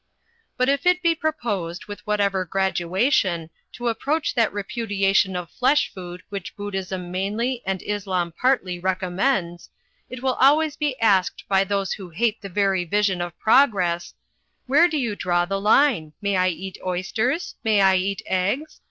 ''But if it be proposed, with whatever graduation, to approach that repudiation of flesh food which Budd hism mainly and Islam partly recommends, it will always be asked by those who hate the very vision of Progress — 'Where do you draw the line? May I eat oysters? May I eat eggs?